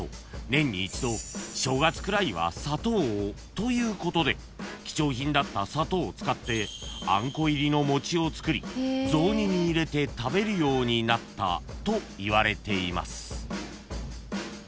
［ということで貴重品だった砂糖を使ってあんこ入りの餅を作り雑煮に入れて食べるようになったといわれています］